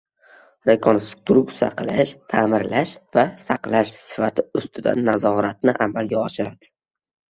rekonstruktsiya qilish, ta'mirlash va saqlash sifati ustidan nazoratni amalga oshiradi;